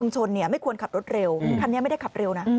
ชนเนี่ยไม่ควรขับรถเร็วคันนี้ไม่ได้ขับเร็วนะ